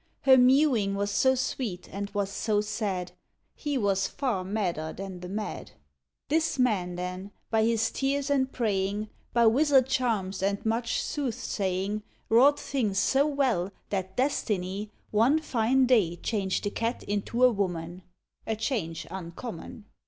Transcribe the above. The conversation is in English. Her mewing was so sweet, and was so sad: He was far madder than the mad. This man, then, by his tears and praying, By wizard charms and much soothsaying, Wrought things so well, that Destiny, One fine day, changed the Cat into a Woman (A change uncommon).